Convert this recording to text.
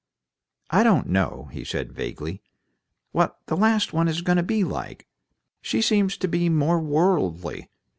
I don't know," he said, vaguely, "what the last one is going to be like. She seems to be more worldly.